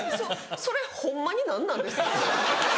それホンマに何なんですか？